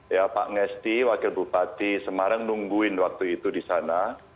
ya pak ngesti wakil bupati semarang nungguin waktu itu di sana